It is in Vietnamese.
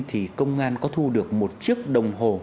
thì công an có thu được một chiếc đồng hồ